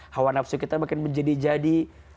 hawa nafsu kita makin menjadi jadi